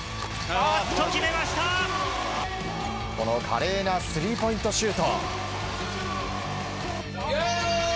華麗なスリーポイントシュート。